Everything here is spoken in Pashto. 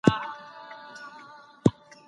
آنلاین زده کړه نه سې کولی.